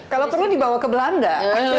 kalau perlu dibawa ke belanda